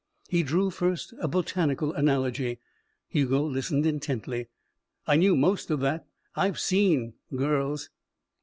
He drew, first, a botanical analogy. Hugo listened intently. "I knew most of that. I've seen girls."